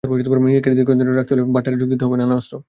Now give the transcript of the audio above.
নিজেকে দীর্ঘদিন ধরে রাখতে হলে ভান্ডারে যোগ করতে হবে নানা অস্ত্র।